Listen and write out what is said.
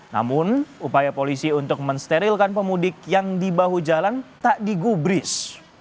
namun upaya polisi untuk mensterilkan pemudik yang di bahu jalan tak digubris